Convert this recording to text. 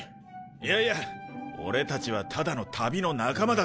いやいや俺たちはただの旅の仲間だぜ。